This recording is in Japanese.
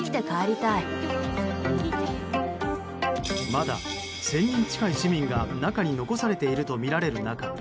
まだ１０００人近い市民が中に残されているとみられる中